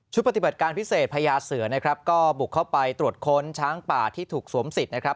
ปฏิบัติการพิเศษพญาเสือนะครับก็บุกเข้าไปตรวจค้นช้างป่าที่ถูกสวมสิทธิ์นะครับ